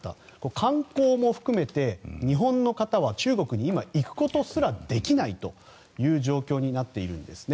観光も含めて、日本の方は中国行くことすらできない状況に今、なっているんですね。